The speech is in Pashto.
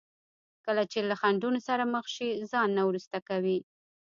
کله چې له خنډونو سره مخ شي ځان نه وروسته کوي.